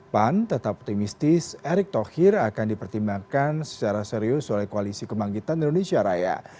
pan tetap optimistis erick thohir akan dipertimbangkan secara serius oleh koalisi kebangkitan indonesia raya